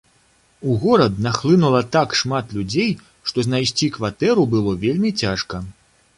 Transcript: У горад нахлынула так шмат людзей, што знайсці кватэру было вельмі цяжка.